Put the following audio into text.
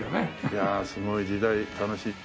いやあすごい時代楽しい。